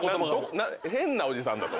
変なおじさんだと。